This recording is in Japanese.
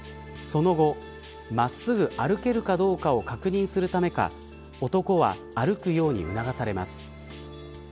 その後、真っすぐ歩けるかどうかを確認するためか男は歩くように促されます。